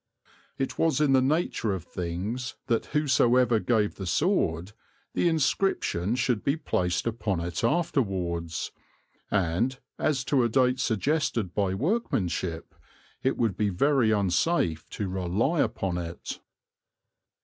It was in the nature of things that whosoever gave the sword, the inscription should be placed upon it afterwards, and, as to a date suggested by workmanship, it would be very unsafe to rely upon it.